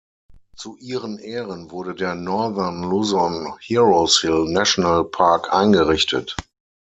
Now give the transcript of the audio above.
Zu ihren Ehren wurde der Northern Luzon Heroes Hill National Park eingerichtet.